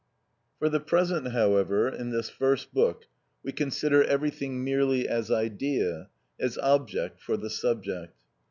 For the present, however, in this first book we consider everything merely as idea, as object for the subject.